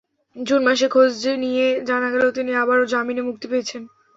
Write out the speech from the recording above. June মাসে খোঁজ নিয়ে জানা গেল, তিনি আবারও জামিনে মুক্তি পেয়েছেন।